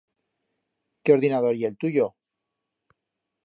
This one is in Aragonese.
Qué ordinador ye el tuyo?